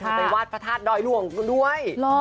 ไปวาดพระธาตุดอยหลวงด้วย